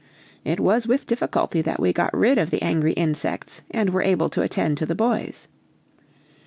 It was with difficulty that we got rid of the angry insects and were able to attend to the boys.